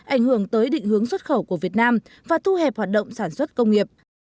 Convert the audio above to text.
ảnh hưởng tới định hướng xuất khẩu của việt nam và thu hẹp hoạt động sản xuất công nghiệp